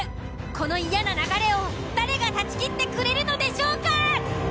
この嫌な流れを誰が断ち切ってくれるのでしょうか。